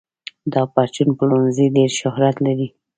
دا پرچون پلورنځی ډېر شهرت لري.